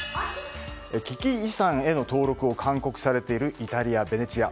危機遺産への登録を勧告されているイタリア・ベネチア。